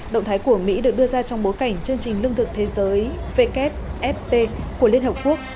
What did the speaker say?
động thái của mỹ được đưa ra trong bối cảnh chương trình lương thực thế giới wfp của liên hợp quốc